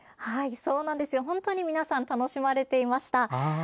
本当に皆さん楽しまれていました。